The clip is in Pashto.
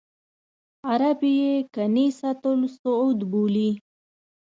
عرب یې کنیسۃ الصعود بولي.